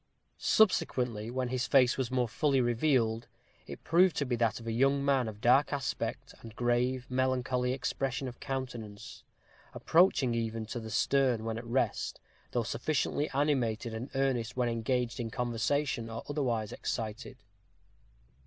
Subsequently, when his face was more fully revealed, it proved to be that of a young man, of dark aspect, and grave, melancholy expression of countenance, approaching even to the stern, when at rest; though sufficiently animated and earnest when engaged in conversation, or otherwise excited.